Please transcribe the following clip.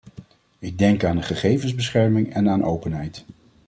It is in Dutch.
Ik denk aan de gegevensbescherming en aan openheid.